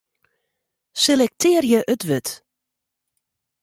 Selektearje it wurd.